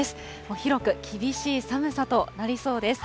広く厳しい寒さとなりそうです。